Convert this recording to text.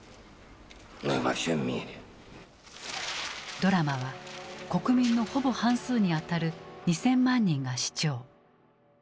ドラマは国民のほぼ半数に当たる２，０００万人が視聴。